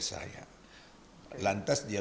saya lantas dia